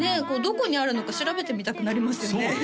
これどこにあるのか調べてみたくなりますよね